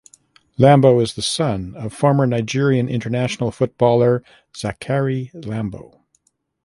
Lambo is the son of the former Nigerien international footballer Zakari Lambo.